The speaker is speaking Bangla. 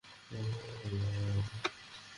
তাদের কাছে আমি সাধু হয়ে গেছি।